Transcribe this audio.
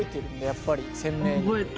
やっぱり鮮明に。